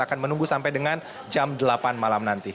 akan menunggu sampai dengan jam delapan malam nanti